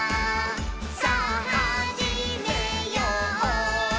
さぁはじめよう」